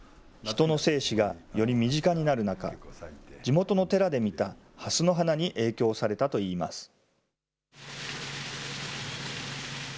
人の生死がより身近になる中、地元の寺で見たはすの花に影響されたといいます。